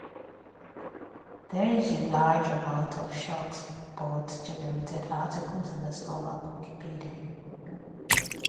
There is a large amount of short bot-generated articles in the Slovak Wikipedia.